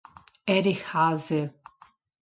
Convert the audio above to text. Erich Haase